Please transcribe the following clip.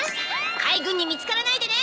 海軍に見つからないでね。